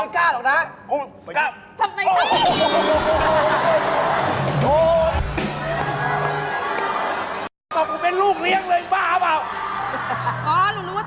ขอบคุณอายุเยอะแล้วแน่